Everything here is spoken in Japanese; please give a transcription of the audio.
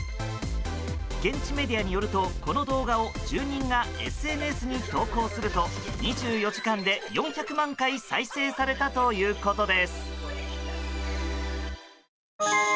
現地メディアによるとこの動画を住人がＳＮＳに投稿すると２４時間で４００万回再生されたということです。